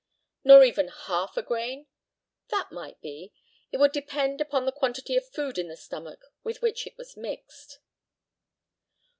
Nor even half a grain? That might be. It would depend upon the quantity of food in the stomach with which it was mixed.